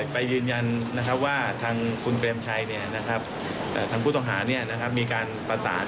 ไปยืนยันนะครับว่าทางคุณเปรมชัยเนี่ยนะครับแต่ว่าพูดต่อหานี่นะครับมีการประสาน